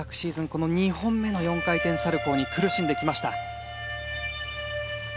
この２本目の４回転サルコーに苦しんできました。